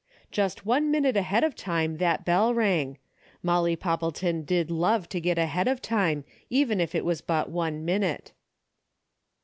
Just one minute ahead of time that bell rang. Molly Foppleton did love to get ahead of time, even if it was but one minute.